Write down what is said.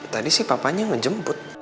tadi sih papanya ngejemput